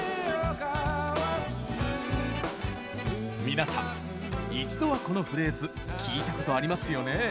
皆さん、一度はこのフレーズ聴いたことありますよね？